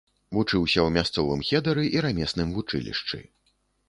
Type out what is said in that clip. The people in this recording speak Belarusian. Вучыўся ў мясцовым хедары і рамесным вучылішчы.